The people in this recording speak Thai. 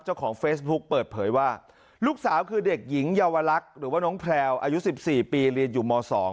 เจ้าของเฟซบุ๊คเปิดเผยว่าลูกสาวคือเด็กหญิงเยาวลักษณ์หรือว่าน้องแพลวอายุ๑๔ปีเรียนอยู่ม๒